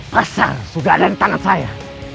pasar sudah ada di tangan saya